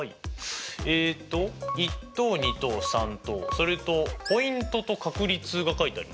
えっと１等２等３等それとポイントと確率が書いてありますね。